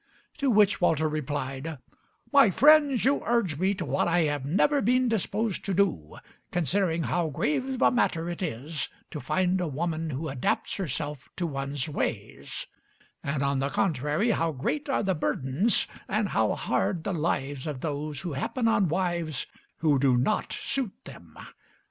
To which Walter replied: "My friends, you urge me to what I have never been disposed to do, considering how grave a matter it is to find a woman who adapts herself to one's ways, and on the contrary how great are the burdens and how hard the lives of those who happen on wives who do not suit them.